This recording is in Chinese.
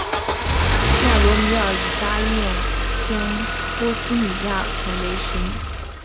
亚罗米尔以答应将波希米亚成为神圣罗马帝国藩属诱使亨利二世支持。